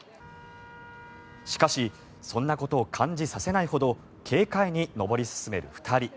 しかしそんなことを感じさせないほど軽快に登り進める２人。